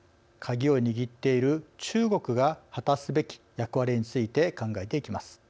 鍵を握っている中国が果たすべき役割について考えていきます。